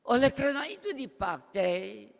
oleh karena itu dipakai